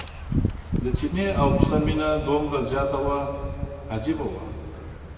د چیني او پسه مینه دومره زیاته وه عجیبه وه.